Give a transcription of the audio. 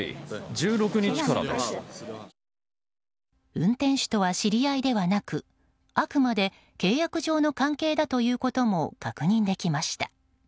運転手とは知り合いではなくあくまで、契約上の関係だということも確認できました。